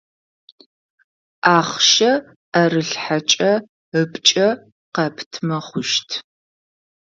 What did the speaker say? Ахъщэ ӏэрылъхьэкӏэ ыпкӏэ къэптымэ хъущт.